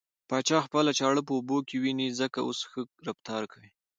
پاچا خپله چاړه په اوبو کې وينې ځکه اوس ښه رفتار کوي .